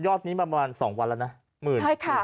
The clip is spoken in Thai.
ยอดนี้ประมาณ๒วันแล้วนะ